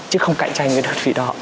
chứ không cạnh tranh với đơn vị đó